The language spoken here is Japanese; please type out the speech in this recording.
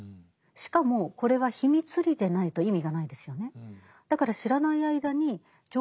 しかもこれは秘密裏でないと意味がないですよね。